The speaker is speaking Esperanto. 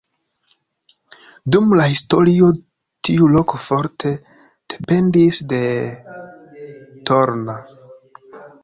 Dum la historio tiu loko forte dependis de Torna.